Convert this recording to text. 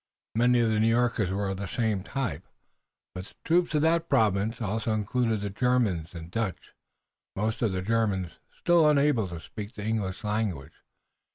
Many of the New Yorkers were of the same type, but the troops of that province also included the Germans and the Dutch, most of the Germans still unable to speak the English language.